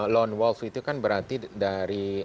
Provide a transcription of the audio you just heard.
lone wolf itu kan berarti dari